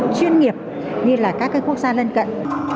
chuyên nghiệp như là các quốc gia lân cận